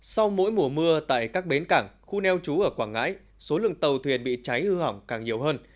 sau mỗi mùa mưa tại các bến cảng khu neo trú ở quảng ngãi số lượng tàu thuyền bị cháy hư hỏng càng nhiều hơn